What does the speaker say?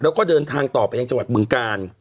แล้วก็เดินทางต่อไปยังจังหวัดบึงกาล